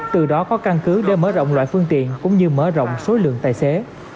từ đó có căn cứ để mở rộng loại phương tiện cũng như mở rộng số lượng tài xế